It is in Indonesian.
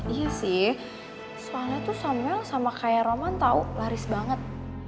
iya sih soalnya tuh samuel sama kayak roman tahu laris banget